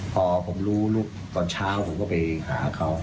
พอผมรู้ตอนเช้าผมก็ไปหาเขา